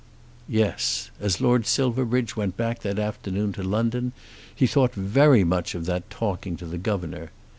Yes! As Lord Silverbridge went back that afternoon to London he thought very much of that talking to the governor!